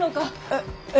ええ？